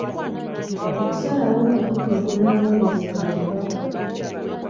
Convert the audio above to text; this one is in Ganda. Okusalawo omukutu ogunaaweerezebwamu obubaka.